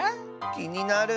きになる。